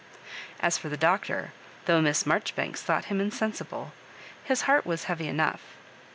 As for the Doctor, though Miss Marjoribanks thought him insensible, his heart was heavy enough.